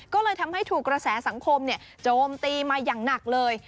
ก็เลยทำให้ถูกกระแสสังคมโจมตีมาอย่างหนักเลย